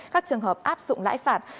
các trường hợp áp dụng lãi phạt